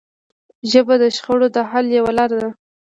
ژبه د شخړو د حل یوه لاره ده